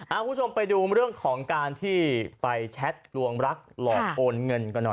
คุณผู้ชมไปดูเรื่องของการที่ไปแชทลวงรักหลอกโอนเงินกันหน่อย